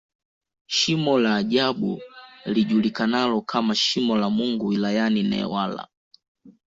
Shimo la ajabu lijulikanalo kama Shimo la Mungu wilayani Newala